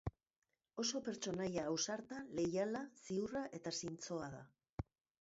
Oso pertsonaia ausarta, leiala, ziurra eta zintzoa da.